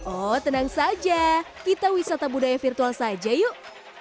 oh tenang saja kita wisata budaya virtual saja yuk